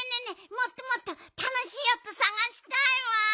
もっともっとたのしいおとさがしたいわ。